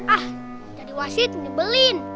ah jadi wasit nyebelin